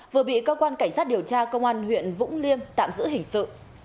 vừa bị cơ quan cảnh sát điều tra công an huyện vũng liêm tạm giữ hình sự